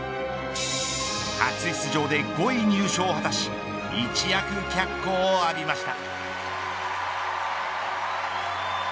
初出場で５位入賞を果たし一躍、脚光を浴びました。